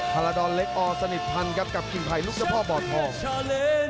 พาราดอลเล็กออร์สนิทพันครับกับกิ่งไพรลูกเจ้าพ่อบ่อทอง